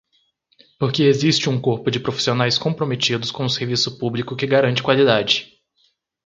Porque existe um corpo de profissionais comprometidos com o serviço público que garante qualidade.